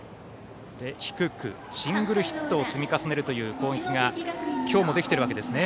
低く、シングルヒットを積み重ねる攻撃が今日もできているわけですね。